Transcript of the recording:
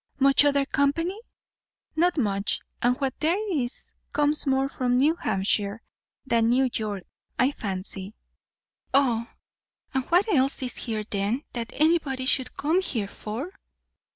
"Much other company?" "Not much; and what there is comes more from New Hampshire than New York, I fancy." "Ah! And what else is here then, that anybody should come here for?"